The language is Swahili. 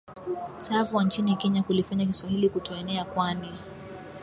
Tsavo nchini kenya kulifanya kiswahili kutoenea kwani